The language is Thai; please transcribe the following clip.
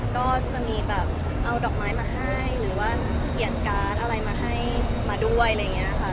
ก็จะมีแบบเอาดอกไม้มาให้หรือว่าเขียนการ์ดอะไรมาให้มาด้วยอะไรอย่างนี้ค่ะ